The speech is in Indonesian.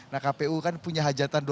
nah kpu kan punya hajatan